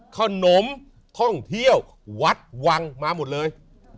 ขนมท่องเที่ยววัดวังมาหมดเลย